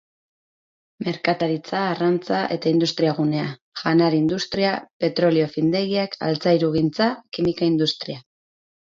Merkataritza-, arrantza- eta industria-gunea: janari-industria, petrolio-findegiak, altzairugintza, kimika-industria.